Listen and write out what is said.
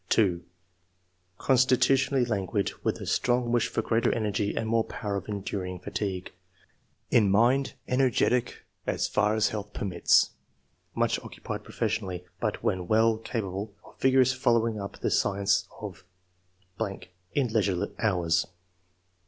2. " Constitutionally languid, with a strong wish for greater energy and more power of cn H 98 ENGLISH MEN OF SCIENCE. [chap. during fatigue. In mind — Energetic as far as health permits. Much occupied professionally, but when well, capable of vigorously following up the science of .... in leisure hours.